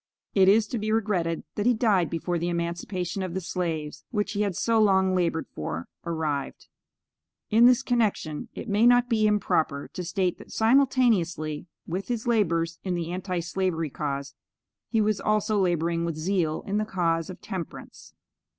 It is to be regretted that he died before the emancipation of the slaves, which he had so long labored for, arrived. In this connection it may not be improper to state that simultaneously with his labors in the Anti slavery cause, he was also laboring with zeal in the cause of Temperance.